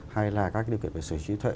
hay là các điều kiện về sở hữu trí tuệ